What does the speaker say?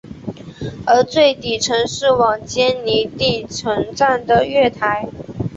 而最底层是往坚尼地城站的月台。